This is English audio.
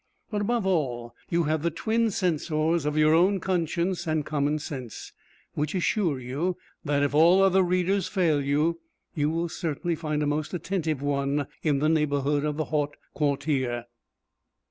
But above all you have the twin censors of your own conscience and common sense, which assure you that, if all other readers fail you, you will certainly find a most attentive one in the neighbourhood of the Haupt Quartier.